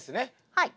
はい。